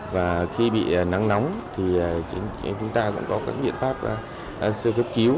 và khi bị nắng nóng thì chúng ta cũng có các biện pháp sơ cấp cứu